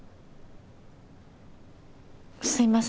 すいません。